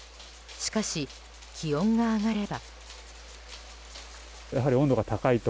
しかし、気温が上がれば。